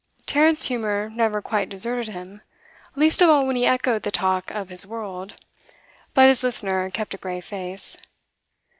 Tarrant's humour never quite deserted him, least of all when he echoed the talk of his world; but his listener kept a grave face.